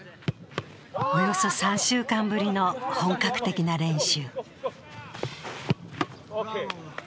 およそ３週間ぶりの本格的な練習。